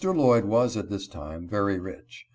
Lloyd was, at this time, very rich.